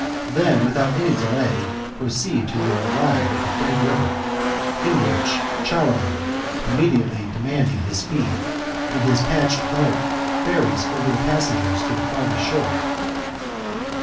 Then, without any delay, proceed till yoil arrive at the dead river, in which Clntron, immediately deman ding his fee, in his patched boat ferries over the passengers t6 the farthest shore.